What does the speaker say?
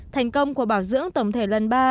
thành công của bảo dưỡng tổng thể lần ba